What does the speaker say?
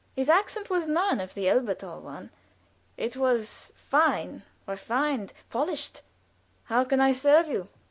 His accent was none of the Elberthal one; it was fine, refined, polished. "How can I serve you?"